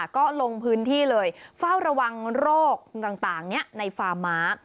ก็ลงพื้นที่เลยเฝ้าระวังโรคต่างในฟาร์มม้า